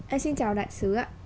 em xin chào đại sứ ạ